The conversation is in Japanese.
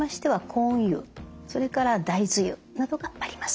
コーン油それから大豆油などがあります。